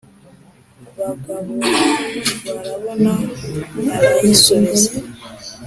bagabobarabona arayisubiza